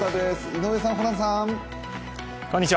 井上さん、ホランさん。